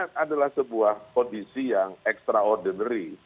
karena ini adalah sebuah kondisi yang extraordinary